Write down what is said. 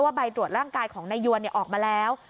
ว่าใบตรวจร่างกายของนายวนเนี่ยออกมาแล้ว